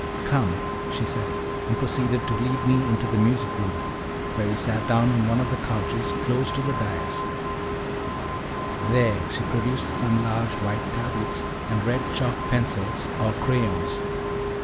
"Come," she said, and proceeded to lead me into the music room, where we sat down on one of the couches close to the dais; there she produced some large white tablets, and red chalk pencils or crayons.